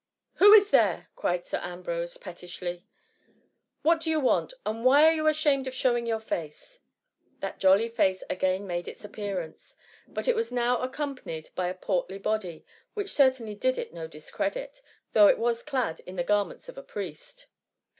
*^Who is there?" cried Sir Ambrose, pet tishly, " what do you want ? and why are you ashamed of showing your face ?" That jolly face again made its appearance, but it was now accompanied by a portly body, which certainly did it no discredit, though it was dad in the garments of a priest.